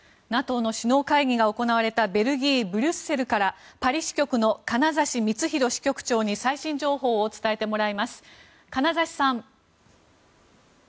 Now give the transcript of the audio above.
ＮＡＴＯの首脳会議が行われたベルギー・ブリュッセルからパリ支局の金指光宏支局長に最新情報を伝えてもらいます。